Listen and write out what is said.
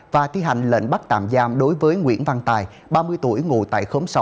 và tiến hành lệnh bắt tạm giam đối với nguyễn văn tài ba mươi tuổi ngồi tại khóm sáu